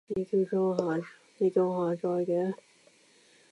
你叫我下載嘅